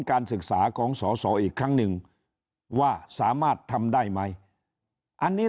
การศึกษาของสอสออีกครั้งหนึ่งว่าสามารถทำได้ไหมอันนี้